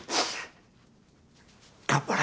頑張れ！